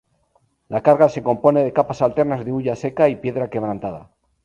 La carga se compone de capas alternas de hulla seca y piedra quebrantada.